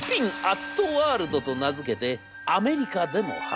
アットワールドと名付けてアメリカでも販売。